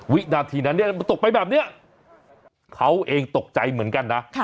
วินาทีนั้นเนี่ยมันตกไปแบบนี้เขาเองตกใจเหมือนกันนะ